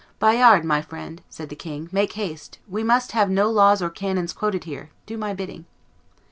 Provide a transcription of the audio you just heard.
'Bayard, my friend,' said the king, 'make haste; we must have no laws or canons quoted here; do my bidding.